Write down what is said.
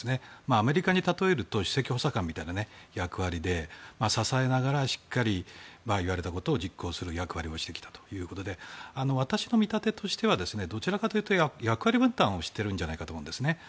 アメリカに例えると首席補佐官みたいな役割で支えながら言われたことを実行する役割を担っていたわけで私の見立てとしてはどちらかというと役割分担をしているんだと思います。